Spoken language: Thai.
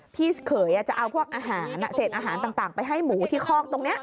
พี่เขยจะเอาพวกอาหารเศษอาหารต่างไปให้หมูที่คอกตรงนี้